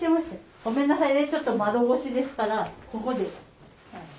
ごめんなさいねちょっと窓越しですからここで。